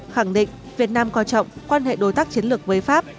khẳng định việt nam coi trọng quan hệ đối tác chiến lược với pháp